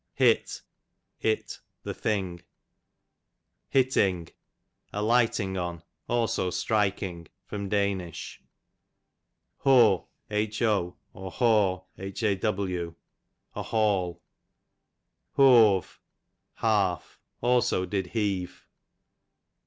Hit, it, the thing. Hitting, a lighting on; also striking. Da. Ho, or Haw, a hall. Hoave, half ; also did heave.